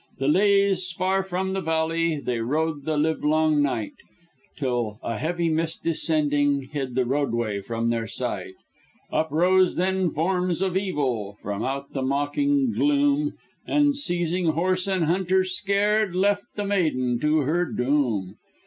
"The leas, far from the valley, They rode the livelong night; Till a heavy mist descending Hid the roadway from their sight. "Uprose, then, forms of evil. From out the mocking gloom; And seizing horse and hunter scared, Left the maiden to her doom.